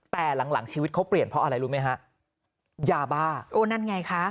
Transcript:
แต่หลังหลังชีวิตเขาเปลี่ยนเพราะอะไรรู้ไหมฮะยาบ้าโอ้นั่นไงคะ